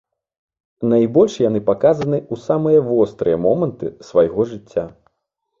Найбольш яны паказаны ў самыя вострыя моманты свайго жыцця.